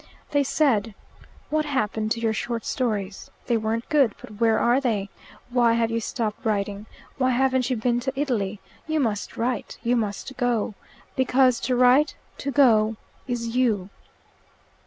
They said, 'What happened to your short stories? They weren't good, but where are they? Why have you stopped writing? Why haven't you been to Italy? You must write. You must go. Because to write, to go, is you.